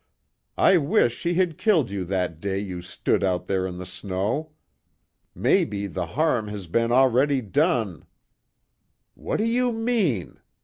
I wish she had killed you that day you stood out there in the snow! Maybe the harm has been already done " "What do you mean?"